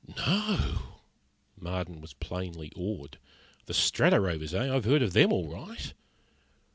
"No!" Marden was plainly awed. "The Strato Rovers, eh? I've heard of them, all right."